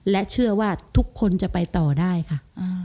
และเชื่อว่าทุกคนจะไปต่อได้ค่ะ